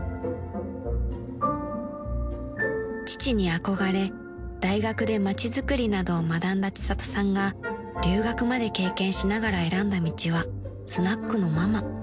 ［父に憧れ大学で街づくりなどを学んだ千里さんが留学まで経験しながら選んだ道はスナックのママ］